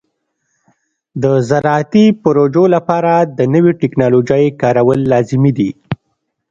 د زراعتي پروژو لپاره د نوې ټکنالوژۍ کارول لازمي دي.